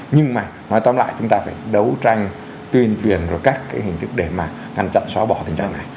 nhưng mà nói tóm lại chúng ta phải đấu tranh tuyên truyền rồi các cái hình thức để mà ngăn chặn xóa bỏ tình trạng này